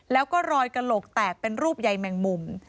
แล้วก็รอยกระโหลกแตกเป็นรูปใยแมงมุม